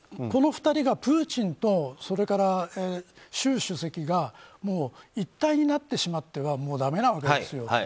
この２人が、プーチンと習主席が一体になってしまってはもうだめなわけですよ。